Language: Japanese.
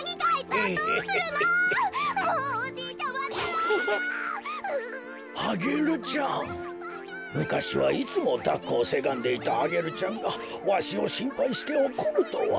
こころのこえむかしはいつもだっこをせがんでいたアゲルちゃんがわしをしんぱいしておこるとは。